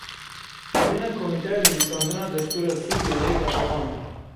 Civînên Komîteya Nivîsandina Destûra Sûriyeyê berdewam in.